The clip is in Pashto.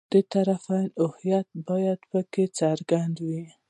د طرفینو هویت باید په کې څرګند وي.